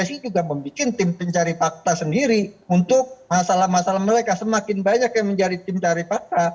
pssi juga membuat tim pencari fakta sendiri untuk masalah masalah mereka semakin banyak yang menjadi tim dari fakta